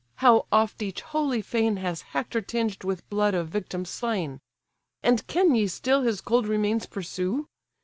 how oft each holy fane Has Hector tinged with blood of victims slain? And can ye still his cold remains pursue?